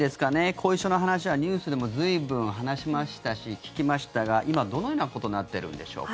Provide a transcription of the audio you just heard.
後遺症の話はニュースでも随分話しましたし聞きましたが今、どのようなことになっているんでしょうか。